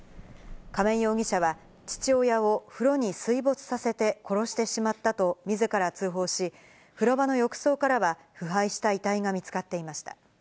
亀井容疑者は、父親を風呂に水没させて殺してしまったと、みずから通報し、風呂場の浴槽からは、腐敗した遺体が見つかっていました。